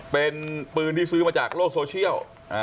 เป็นปืนที่ซื้อมาจากโลกโซเชียล